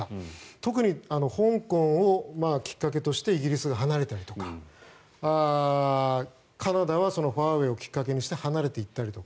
特に香港をきっかけとしてイギリスが離れたりとかカナダはファーウェイをきっかけにして離れていったりとか。